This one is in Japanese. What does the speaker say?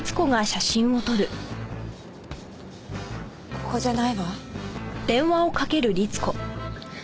ここじゃないわ。